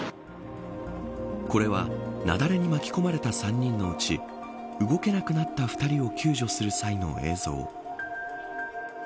これは雪崩に巻き込まれた３人のうち動けなくなった２人を救助する際の映像。